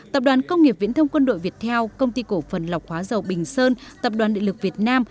tập đoàn công nghiệp viễn thông quân đội việt theo công ty cổ phần lọc hóa dầu bình sơn tập đoàn địa lực việt nam